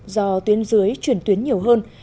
do tuyến dưới chuyển tuyến nhiều hơn